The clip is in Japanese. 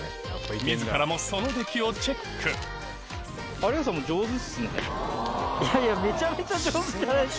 自らもその出来をチェック速っ！